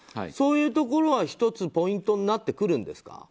そういうところは１つポイントになってくるんですか？